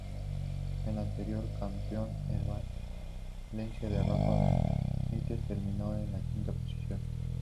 El anterior campeón, el Valencia de Rafa Benítez, terminó en la quinta posición.